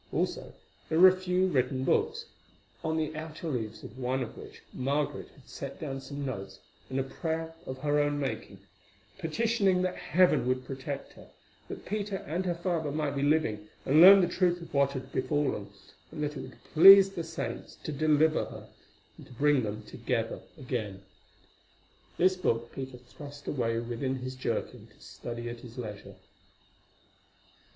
Also, there were a few written books, on the outer leaves of one of which Margaret had set down some notes and a prayer of her own making, petitioning that Heaven would protect her; that Peter and her father might be living and learn the truth of what had befallen, and that it would please the saints to deliver her, and to bring them together again. This book Peter thrust away within his jerkin to study at his leisure.